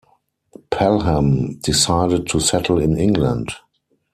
Pelham decided to settle in England.